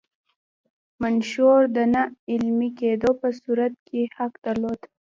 منشور د نه عملي کېدو په صورت کې حق درلود.